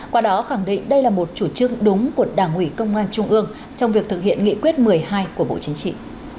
qua đó khẳng định đây là một chủ trương đúng của đảng ủy công an trung ương trong việc thực hiện nghị quyết một mươi hai của bộ chính trị